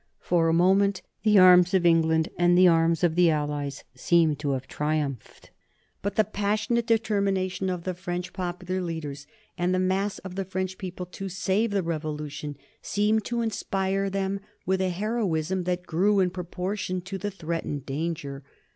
For a moment the arms of England and the aims of the Allies seemed to have triumphed. But the passionate determination of the French popular leaders and the mass of the French people to save the Revolution seemed to inspire them with a heroism that grew in proportion to the threatened danger.